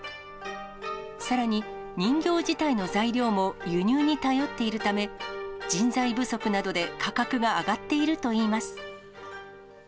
さらに、人形自体の材料も輸入に頼っているため、人材不足などで価格は上がっているといいます。